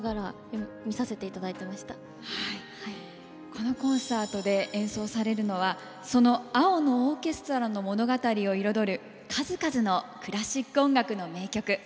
このコンサートで演奏されるのはその「青のオーケストラ」の物語を彩る数々のクラシック音楽の名曲。